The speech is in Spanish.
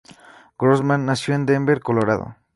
Grossman nació en Denver, Colorado.